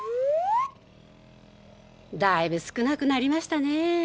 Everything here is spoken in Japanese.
だいぶ少なくなりましたね。